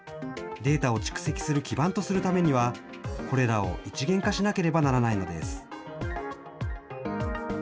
データを蓄積する基盤とするためには、これらを一元化しなければならないのです。